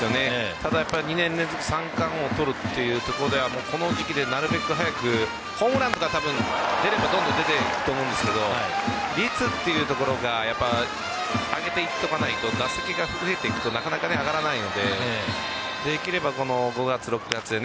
ただ、２年連続三冠王を取るというところではこの時期でなるべく早くホームランとか出ると、どんどん出ていくと思うんですが率というところが上げていかないと打席が増えていくとなかなか上がらないのでできれば５月、６月で。